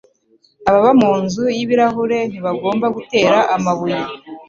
Ababa munzu yibirahure ntibagomba gutera amabuye.